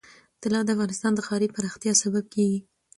طلا د افغانستان د ښاري پراختیا سبب کېږي.